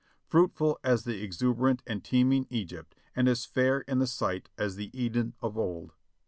fruitful as the exuberant and teeming Egypt and as fair to the sight as the Eden of old.